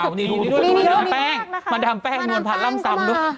มันดำแป้งมันดำแป้งนวลผัดล้ำซำ